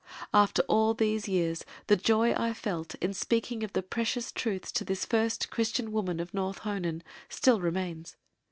After all these years the joy I felt, in speaking of the precious truths to this first Christian Woman of North Honan, still remains.